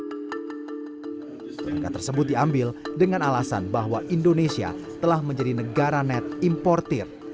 harga tersebut diambil dengan alasan bahwa indonesia telah menjadi negara net importer